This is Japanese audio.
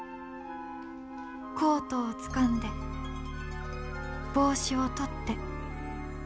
「コートをつかんで帽子を取って」。